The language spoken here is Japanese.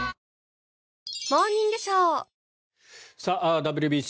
⁉ＷＢＣ